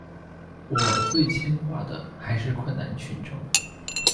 我最牵挂的还是困难群众。